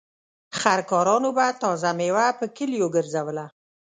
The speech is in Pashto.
خر کارانو به تازه مېوه په کليو ګرځوله.